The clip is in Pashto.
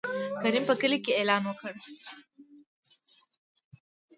کريم په کلي کې يې اعلان وکړ.